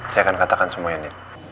saya akan katakan semua yang ada